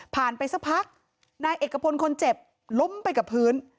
ไปสักพักนายเอกพลคนเจ็บล้มไปกับพื้น